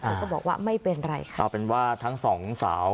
ก็บอกว่าไม่เป็นไรค่ะเอาเป็นว่าทั้งสองสาว